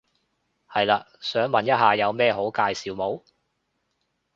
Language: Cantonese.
係嘞，想問一下有咩好介紹冇？